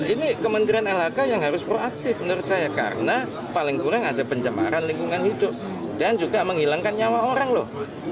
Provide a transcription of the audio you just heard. ini kementerian lhk yang harus proaktif menurut saya karena paling kurang ada pencemaran lingkungan hidup dan juga menghilangkan nyawa orang loh